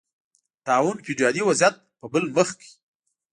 طاعون فیوډالي وضعیت په بل مخ کړ